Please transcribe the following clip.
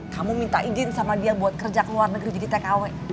kamu minta izin sama dia buat kerja ke luar negeri jadi tkw